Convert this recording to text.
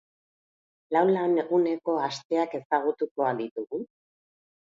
Lau laneguneko asteak ezagutuko al ditugu?